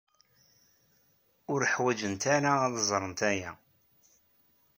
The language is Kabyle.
Ur ḥwajent ara ad ẓrent aya.